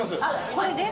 これで？